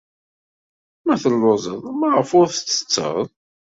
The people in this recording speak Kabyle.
Ma telluẓeḍ, maɣef ur tettetteḍ?